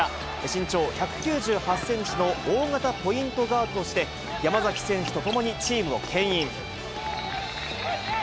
身長１９８センチの大型ポイントガードとして、山崎選手と共にチームをけん引。